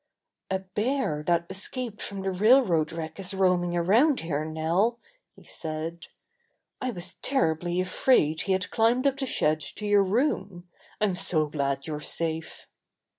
''A bear that escaped from the railroad wreck is roaming around here, Nell," he said. "I was terribly afraid he had climbed up the shed to your room. I'm so glad you're safe."